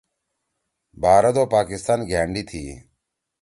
بھارت او پاکستان گھأنڈی تھی۔